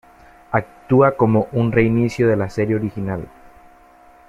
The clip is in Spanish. Actúa como un reinicio de la serie original.